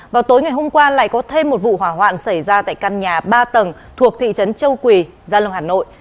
vào tối ngày hôm qua lại có thêm một vụ hỏa hoạn xảy ra tại căn nhà ba tầng thuộc thị trấn châu quỳ gia long hà nội